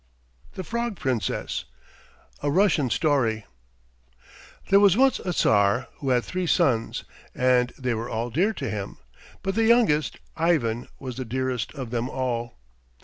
THE FROG PRINCESS A RUSSIAN STORY There was once a Tsar who had three sons, and they were all dear to him, but the youngest, Ivan, was the dearest of them all.